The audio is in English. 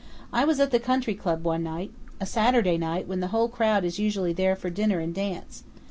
"I was at the Country Club one night a Saturday night when the whole crowd is usually there for the dinner and dance.